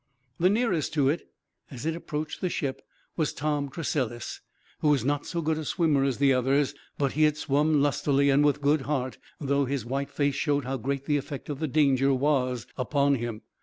The nearest to it, as it approached the ship, was Tom Tressilis, who was not so good a swimmer as the others; but he had swum lustily, and with good heart, though his white face showed how great the effect of the danger was upon him.